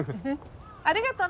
ありがとね。